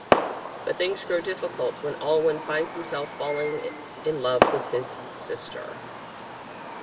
But things grow difficult when Alwin finds himself falling in love with his "sister".